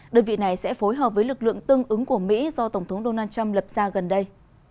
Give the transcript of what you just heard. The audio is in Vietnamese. đơn vị này sẽ phối hợp với lực lượng tương ứng của mỹ do tổng thống donald trump lập ra gần đây